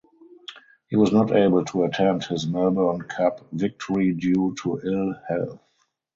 He was not able to attend his Melbourne Cup victory due to ill health.